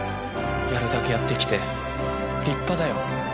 やるだけやってきて立派だよ